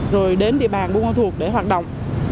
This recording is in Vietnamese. rồi đến địa bàn buôn ma thuột để hoạt động